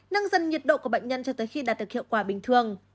nâng dần nhiệt độ của bệnh nhân cho tới khi đạt được hiệu quả bình thường